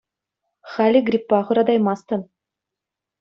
Халӗ гриппа хӑратаймастӑн.